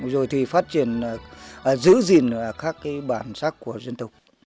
rồi thì phát triển giữ gìn các cái bản sắc của dân tộc